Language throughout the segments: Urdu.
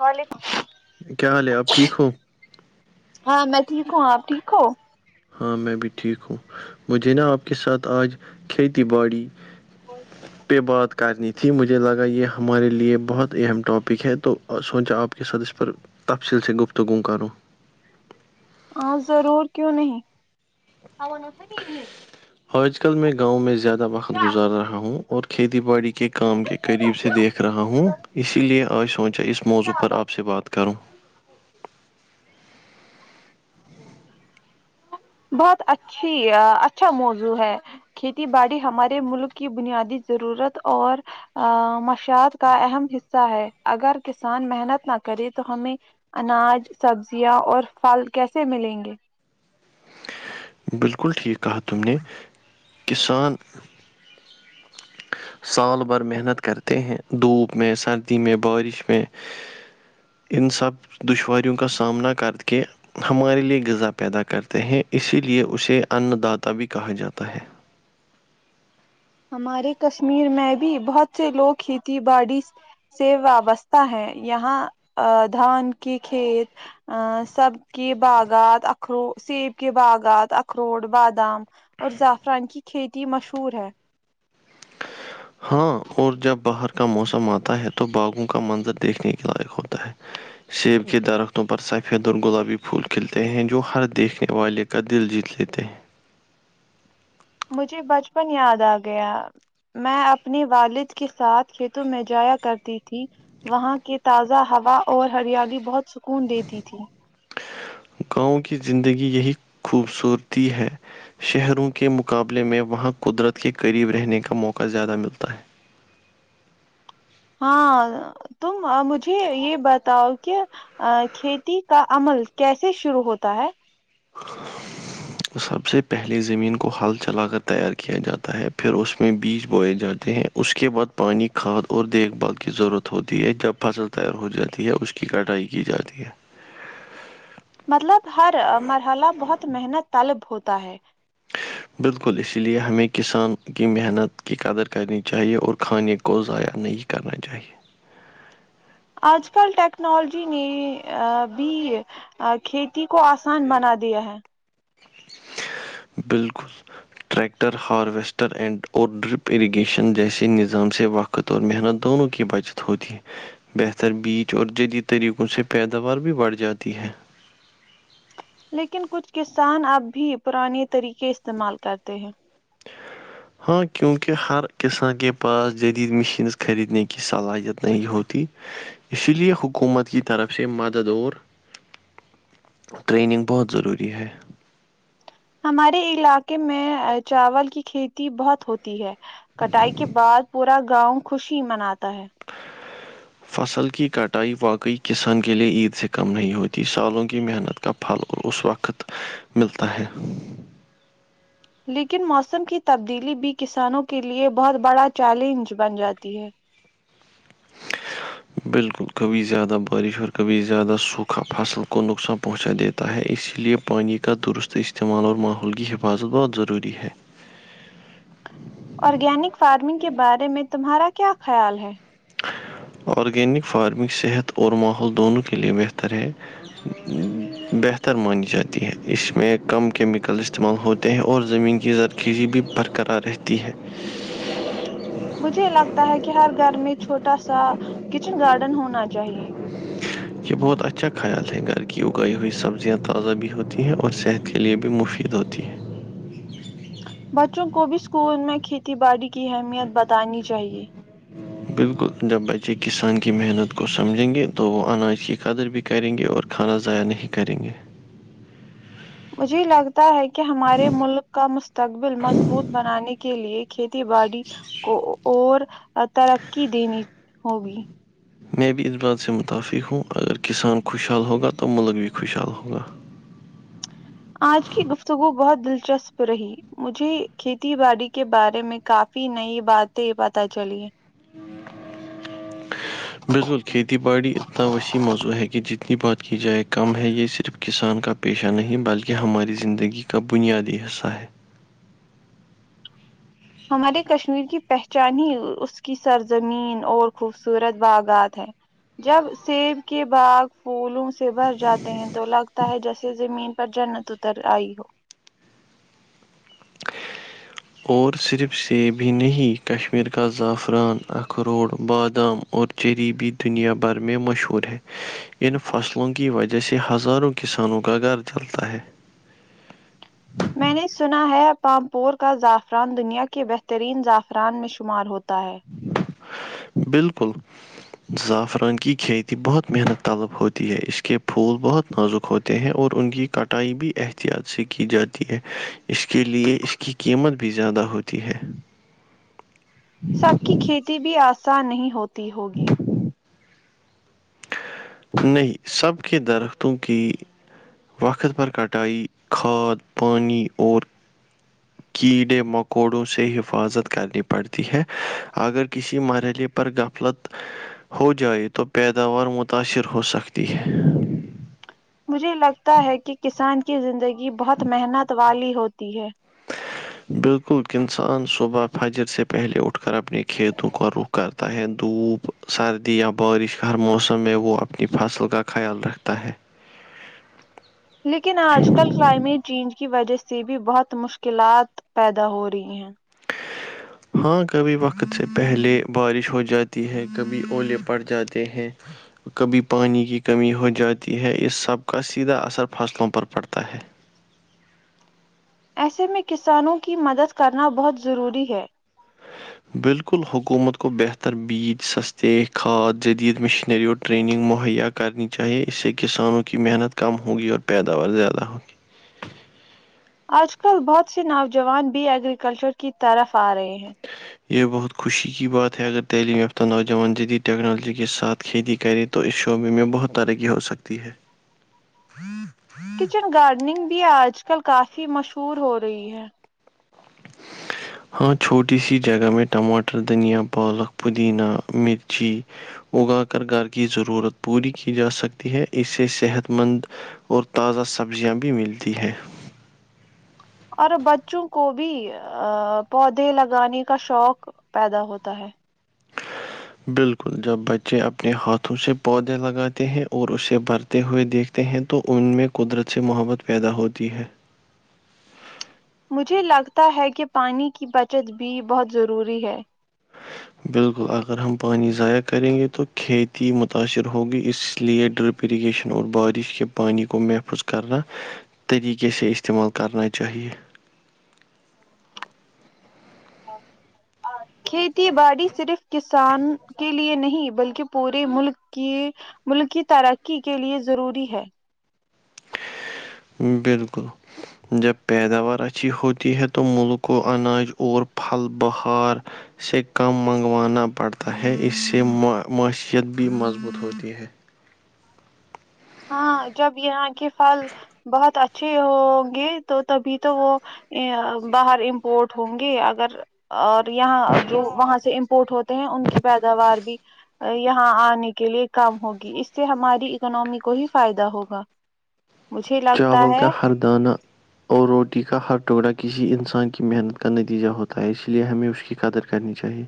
وعلیکم کیا حال ہے آپ ٹھیک ہو ہاں میں ٹھیک ہوں آپ ٹھیک ہو ہاں میں بھی ٹھیک ہوں مجھے نا آپ کے ساتھ آج کھیتی باڑی پہ بات کرنی تھی تھی مجھے لگا یہ ہمارے لیے بہت اہم ٹاپک ہے تو سوچا آپ کے ساتھ اس پر تفصیل سے گفتگووم کروں ہاں ضرور کیوں نہیں ہ [inaudible] آج کل میں گاؤں زیاد وقت گزار رہا ہوں اور کھیتی باڑی کے کام کے قریب سے دیکھ رہا ہوں اسی لیے آج سوچا اس موضوع پر آپ سے بات کروں بہت اچھی اچھا موضوع ہے کھیتی باڑی ہمارے ملک کی بنیادی ضرورت اور مشیات کا اہم حصہ ہے اگر کسان محنت نہ کرے تو ہمیں اناج سبزیاں اور پھل کیسے ملیں گے بالکل ٹھیک کہا تم نے کسان سال بھر محنت کرتے ہیں دھوپ میں سردی میں بارش میں ان سب دشواریوں کا سامنا کر کے ہمارے لیے غذا پیدا کرتے ہیں اسی لیے اسے انن داتا بھی کہا جاتا ہے ہمارے کشمیر میں بھی بہت سے لوگ کھیتی باڑی سے وابستہ ہے یہاں دھان کی کھیت سب کی باغات اخرو سیب کے باغات اخروٹ بادام اور زعفران کی کھیتی مشہور ہے ہاں اور جب باہر کا موسم آتا ہے تو باغوں کا منظر دیکھنے کے لائق ہوتا ہے سیب کے درختوں پر سفید اور گلابی پھول کھلتے ہیں جو ہر دیکھنے والے کا دل جیت لیتے مجھے بچپن یاد آ گیا میں اپنے والد کے ساتھ کھیتوں میں جایا کرتی تھی وہاں کے تازہ ہوا اور ہریالی بہت سکون دیتی تھی گاؤں کی زندگی یہی خوبصورتی ہے شہروں کے مقابلے میں وہاں قدرت کے قریب رہنے کا موقع زیادہ ملتا ہے ہاں تم مجھے یہ بتاؤ کہ کھیتی کا عمل کیسے شروع ہوتا ہے [inaudible] سب سے پہلے زمین کو ہل چلا کر تیار کیا جاتا ہے پھر اس میں بیج بوئے جاتے ہیں اس کے بعد پانی کھاد اور دیکھ بھال کی ضرورت ہوتی ہے جب فصل تیار ہو جاتی ہے اس کی کٹائی کی جاتی ہے مطلب ہر مرحلہ بہت محنت طلب ہوتا ہے [inaudible] بالکل اسی لیے ہمیں کسان کی محنت کی قدر کرنی چاہیے اور کھانے کو ضائع نہیں کرنا چاہیے اج کل ٹیکنالوجی نے بھی کھیتی کو آسان بنا دیا ہے بالکل ٹریکٹر ہارویسٹر اینڈ اور ڈرپ اریگیشن جیسے نظام سے وقت قطور محنت دونوں کی بچت ہوتی ہے بہتر بیچ اور جدید طریقوں سے پیداوار بھی بڑھ جاتی ہے لیکن کچھ کسان اب بھی پرانے طریقے استعمال کرتے ہیں [inaudible] ہاں کیونکہ ہر کسان کے پاس جدید مشینس خریدنے کی صلاحیت نہیں ہوتی اسی لے حکومت کی طرف سے مددور ٹریننگ بہت ضروری ہے ہمارے علاقے میں چاول کی کھیتی بہت ہوتی ہے کٹائی کے بعد پورا گاؤں خوشی مناتا ہے [inaudible] فصل کی کٹائی واقعی کسان کے لیے عید سے کم نہیں ہوتی سالوں کی محنت کا پھل اس وقت ملتا ہے لیکن موسم کی تبدیلی بھی کسانوں کے لیے بہت بڑا چیلنج بن جاتی ہے بالکل کبھی زیادہ بارش اور کبھی زدہ سوکھا فصل کوک نقصان پہنچا دیت ہوتا ہے اسی لیے پانی کا درست استعمال اور ماحول کی حفاظت بہت ضروری ہے آرگینک فارمنگ کے بارے میں تمہارا کیا خیال ہے آرگینک فارمنگ صحت اور ماحول دونوں کے لیئے بہتر ہے بہتر مانی جاتی ہے اس میں کم کیمیکل استعمال ہو اور زمین کی زرخیزی بھی برقرار رہتی ہے مجھے لگتا ہے کہ ہر گھر میں چھوٹا سا کچن گارڈن ہونا چاہیے یہ بہت اچھا خیال ہے گھر کی اگائی ہوئی سبزیاں تازہ بھی ہوتی ہیں اور صحت کے لیے بھی مفید ہوتی ہے بچوں کو بھی اسکول میں کھیتی باڑی کی اہمیت بتانی چاہیے بالکل جب بچے کسان کی محنت کو سمجھیں گے تو وہ اناج کی قدر بھی کریں گے اور کھانا ضائع نہیں کریں گے مجھے ہی لگتا ہے کہ ہمارے ملک کا مستقبل مضبوط بنانے کے لیے کھیتی باڑی کو اور ترقی دنی ہوگی میں بھی اس بات سے متافق ہوں اگر کسان خوشحال ہوگا تو ملک بھی خوشحال ہوگا آج کی گفتگو بہت دلچسپ رہی مجھے کھیتی باڑی کے بارے میں کافی نئی باتیں پت چلی [inaudible] بالکل کھیتی باڑی اتنا وسیع موضوع ہے کہ جتنی بات کی جائے کم ہے یہ صرف کسان کا پیشہ نہیں بلکہ ہماری زندگی کا بنیادی حصہ ہے ہمارے کشمیر کی پہچان ہی اس کی سرزمین اور خوبصورت باغات ہے جب سیب کے باغ پھولوں سے بھر جاتے ہیں تو لگتا ہے جیسے زمین پر جنت تر آئی ہو اور صرف سے بھی نہیں کشمیر کا زعفران اخروڑ بادام اور جریبی دنیا بھر میں مشہور ہے ان فصلوں کی وجہ سے ہزاروں کسانوں کا گھر چلتا ہے میں نے سنا ہے پامپور کا زعفران دنیا کے بہترین زعفران میں شمار ہوتا ہے بالکل زعفران کی کھیتی بہت محنت طلب ہوتی ہے اس کے پھول بہت نازک ہوتے ہیں اور ان کی کٹائی بھی احتیاط سے کی جاتی ہے اس کے لیئے اس کی قیمت بھی زیادہ ہوتی ہے سب کی کھیتی بھی آسان نہیں ہوتی ہوگی نہیں سب کے درختوں کی وقت بھر کٹائائی کھاد پانی اور کیڑے مکوڑوں سے حفاظت کرنی پڑتی ہے اگر کسی مرحلے پر غفلت ہو جائے تو پیداوار متاثر ہو سکتی ہے مجھے لگتا ہے کہ کسان کی زندگی بہت محنت والی ہوتی ہے بالکل ک انسان صبح فجر سے پہلے اٹھ اٹھ کر اپنے کھیتوں کو رخ کرتا ہے دھوپ سردی یا بارش ہر موسم میں وہ اپنی فصل کا خیال رکھتا ہے لیکن آج کل کلائمیٹ چینج کی وجہ سے بھی بہت مشکلات پیدا ہو رہی ہیں ہاں کبھی وقت سے پہلے بارش ہو جاتی ہے کبھی اولے پڑ جاتے ہیں کبھی پانی کی کمی ہو جاتی ہے اس سب کا سیدھا اثر فصلوں پر پڑتا ہے ایسے میں کسانوں کی مدد کرنا بہت ضروری ہے بالکل حکومت کو بہتر بچ سستتے کھاد جدید مشنری اور ریننگ مہیا کرنی چاہیے اس سے کسانوں کی محنت کم ہوگی اور پیداوار زیادہ ہوگی آج کل بہت سے نوجوان بھی ایگریکلچر کی طرف آ رہے ہیں یہ بہت خوشی کی بات ہے اگر تعلیم یافتہ نوجوان جدید ٹیکنالوجی کے ساتھ کھیتی کرے تو اس شعبے میں بہت ترقی ہو سکتی ہے کچن گارڈننگ بھی آج کل کافی مشہور ہو رہی ہے ہاں چھوٹی سی جگہ میں ٹماٹر دھنیا پالک پودینہ مرچی اگا کر گھر کی ضرورت پوری کی جا سکتی ہے اس سے صحت مند اور تازہ سبزیاں بھی ملتی ہیں اور بچوں کو بھی پودے لگانے کا شوق پیدا ہوتا ہے [unintelligible] بالکل جب بچے اپنے ہاتھوں سے پودے لگاتے ہیں اور اسے بھرتے ہوئے دیکھ ہیں تو ان میں قدرت سے محبت پیدا ہوتی ہے مجھے لگتا ہے کہ پانی کی بچت بھی بہت ضروری ہے بالکل اگر ہم پانی ضائع کریں گے تو کھیتی متاثر ہوگی اس لیے ڈرپ اریگیشن اور بارش کے پانی کو محفوظ کرنا طریقے سے استعمال کرنا چاہیے [unintelligible] کھیتی باڑی صرف کسان کے لیے نہیں بلکہ پورے ملک کی ملک کی ترقی کے لیے ضروری ہے بالکل جب پیداوار اچھی ہوتی ہے تو ملک و اناج اور پھل بہار سے کم منگوانا پڑتا ہے اس سے معیشیت بھی مضبوط ہوتی ہے ہاں جب یہاں کے پھل بہت اچھے ہ گے تو تبھی تو وہ باہر امپورٹ ہوں گی اگر اور یہاں جو وہاں سے امپورٹ ہوتے ہیں ان کی پیداوار بھی یہاں آنے کے لیے کم ہوگی اس سے ہماری اکناممی کو ہی فائدہ ہوگا مجھے لگتا چاول کا ہے ہردانہ اور روٹی کا ہر ٹکڑا کسی انسان کی محنت کا نتیجہ ہوتا ہے اس لیے ہمیں اس کی قدر کرنی چاہیے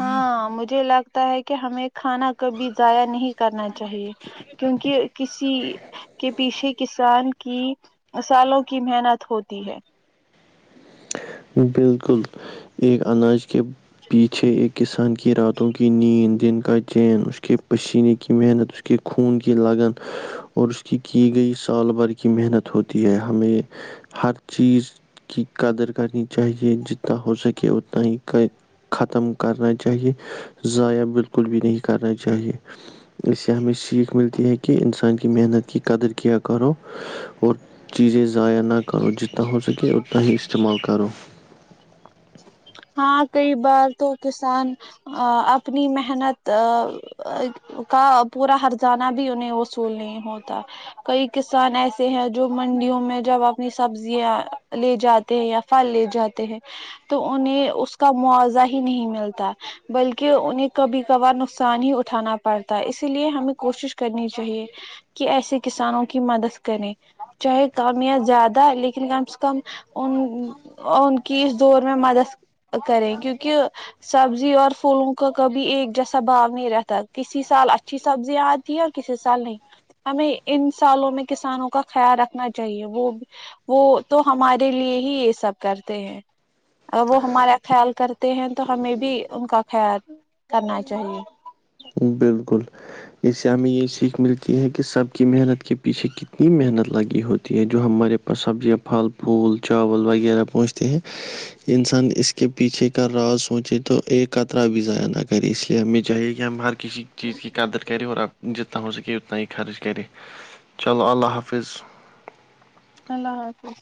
ہاں مجھے لگتا ہے کہ ہمیں کھانا کبھی ضائع نہیں کرنا چاہیے کیونکہ کسی کے پیچھے کسان کی سالوں کی محنت ہوتی ہے بالکل ایک اناج کے پیچھے ایک کسان کی راتوں کی نیند دن کا چین اس کے پسینے کی محنت اس کہ خون کی لگن اور اس کی کی گئی سال بھر کی محنت ہوتی ہے ہمیں ہر چیز کی قدر کرنی چاہیے جتنا ہو سکے اتنا ہی ختم کرنا چاہیے ضائع بالکل بھی نہیں کرنا چاہیے اس سے ہمیں سیکھ ملتی ہے کہ انسان کی محنت کی قدر کیا کرو اور چیزیں ضائع نہ کرو جتنا ہو سکے اتنا ہی استعمال کرو جچ ہاں کئی بار تو کسان اپنی محنت کا پورا ہر جانہ بھی انہیں وصول نہیں ہوتا کئی کسان ایسے ہیں جو منڈیوں میں جب اپنی سبزیاں لے جاتے ہیں یا لے جاتے ہیں تو انہیں اس کا موضہ ہی نہیں ملتا بلکہ انہیں کبھی کبھار نقصان ہی اٹھانا پڑتا ہے اسی لیے ہمیں کوشش کرنی چاہیے کہ ایسے کسانوں کی مدد کریں چاہے کم یا زیادہ لیکن کم سے کم ان ان کی اس دو میں مدد کریں کیونکہ سبزی اور پھولوں کا کبھی ایک جیسا بھاؤ نہیں رہتا کسی سال اچھی سبزیاں آتی کسی سال نہیں ہمیں ان سالوں میں کسانوں کا خیال رکھنا چاہیے وہ وہ تو ہمارے لیے ہی یہ سب کرتے ہیں اگر وہ ہمارا خیال کرتے ہیں تو ہمیں بھی ان کا خیال کرنا چاہیے بالکل جسے ہمیں یہ سیکھ ملتی ہے کہ سب کی محنت کے پیچھے کتنی محنت لگی ہوتی ہے جو ہمارے پ سبزیاں پھل پھول چاول وغیرہ پوچتے ہیں انسان اس کے پیچھے کا راز سوچے تو ایک خطرہ بھی ضائع نہ کرے اس لیے ہمیں چاہیے یہ ہم ہر کسی [unintelligible] چیز کی قدر کرے اور اب جتنا ہو سکے اتنا ہی خرچ کرے چلو اللہ حافظ اللہ حافظ